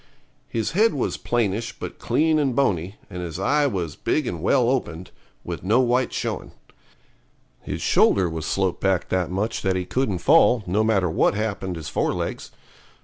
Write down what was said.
His head was plainish, but clean and bony, and his eye was big and well opened, with no white showing. His shoulder was sloped back that much that he couldn't fall, no matter what happened his fore legs.